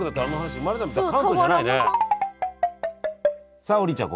さあ王林ちゃん